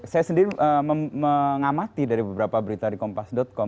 saya sendiri mengamati dari beberapa berita di kompas com